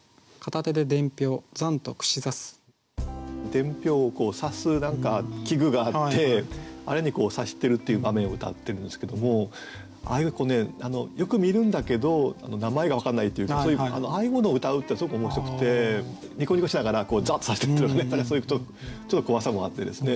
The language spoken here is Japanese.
伝票を刺す何か器具があってあれに刺してるっていう場面をうたってるんですけどもああいうよく見るんだけど名前が分かんないというかそういうああいうものをうたうっていうのはすごく面白くてニコニコしながらざんと刺してるっていうのが何かそういうちょっと怖さもあってですね